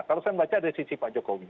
kalau saya membaca ada sisi pak jokowi